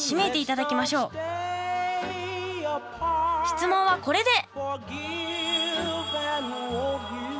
質問はこれで！